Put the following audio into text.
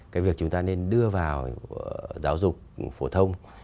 cái việc chúng ta nên đưa vào giáo dục phổ thông